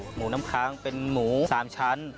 หมูน้ำค้างเป็นหมู๓ชั้น